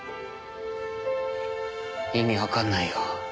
意味わかんないよ。